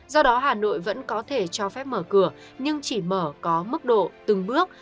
do đó hà nội vẫn có thể cho phép mở cửa nhưng chỉ mở có mức độ từng bước